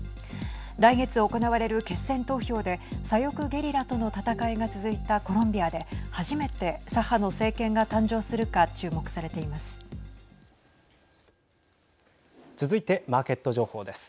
来月、行われる決選投票で左翼ゲリラとの戦いが続いたコロンビアで初めて左派の政権が誕生するか注目されています。